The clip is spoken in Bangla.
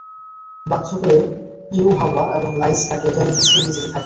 বাধ্য হয়ে ইউহাওয়া এবং লাঈছ তাকে টেনে হেঁচড়ে নিয়ে যেতে থাকে।